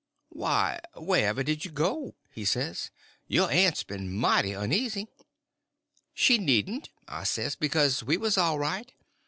"Why, where ever did you go?" he says. "Your aunt's been mighty uneasy." "She needn't," I says, "because we was all right.